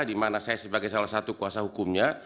di mana saya sebagai salah satu kuasa hukumnya